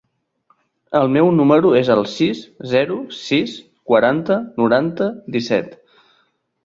El meu número es el sis, zero, sis, quaranta, noranta, disset.